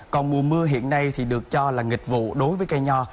còn mùa mưa hiện nay thì được cho là nghịch vụ đối với cây nho